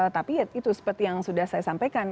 tapi ya itu seperti yang sudah saya sampaikan